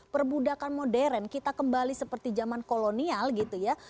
perbudakan modern kita kembali seperti zaman kolonial gitu ya